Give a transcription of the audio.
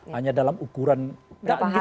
hanya dalam ukuran gak begitu lama ya